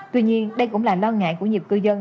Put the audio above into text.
tuy nhiên đây cũng là lo ngại của nhiều cư dân